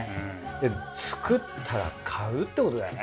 で作ったら買うってことだよね。